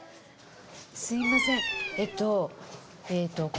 すいませんえっとえっと